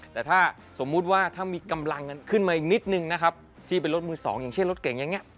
แต่ถ้าสมมุติว่าถ้ามีกำลังกันขึ้นมาอีกนิดนึงนะครับที่เป็นรถมือสองอย่างเช่นรถเก่งอย่างนี้